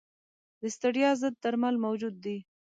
د ستړیا ضد درمل موجود دي.